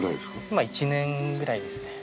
今１年ぐらいですね。